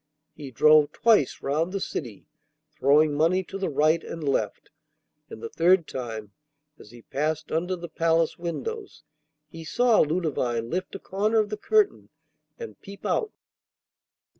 He drove twice round the city, throwing money to the right and left, and the third time, as he passed under the palace windows, he saw Ludovine lift a corner of the curtain and peep out.